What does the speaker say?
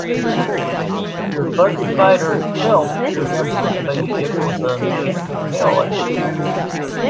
The Fuzzy Fighter itself resembles a spaceship with a mechanical tail at the end.